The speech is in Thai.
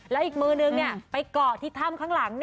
แล้วอีกมือนึงไปเกาะที่ถ้ำข้างหลัง